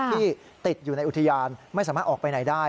ที่ติดอยู่ในอุทยานไม่สามารถออกไปไหนได้